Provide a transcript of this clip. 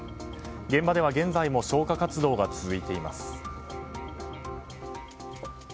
現場では現在も消火活動が続いています。